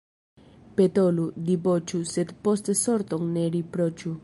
Petolu, diboĉu, sed poste sorton ne riproĉu.